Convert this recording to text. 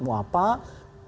kepada politikmu apa